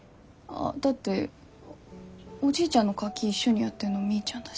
だっておじいちゃんのカキ一緒にやってんのみーちゃんだし。